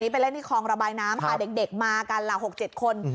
ไปเล่นที่คลองระบายน้ำค่ะเด็กมากันล่ะ๖๗คน